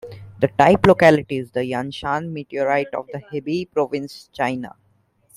The type locality is the Yanshan meteorite of the Hebei Province, China.